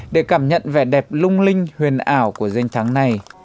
để cảm nhận vẻ đẹp lung linh huyền ảo của danh thắng này